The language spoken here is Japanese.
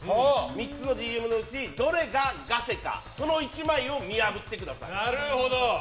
３つのＤＭのうち、どれがガセかその１枚を見破ってください。